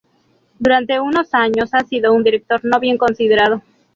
Durante unos años ha sido un director no bien considerado.